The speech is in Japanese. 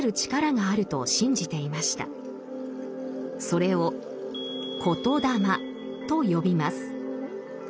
それを「言霊」と呼びます。